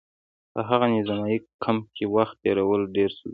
په هغه نظامي کمپ کې وخت تېرول ډېر ستونزمن وو